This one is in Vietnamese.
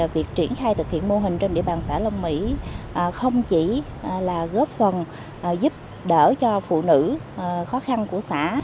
việc triển khai thực hiện mô hình trên địa bàn xã long mỹ không chỉ là góp phần giúp đỡ cho phụ nữ khó khăn của xã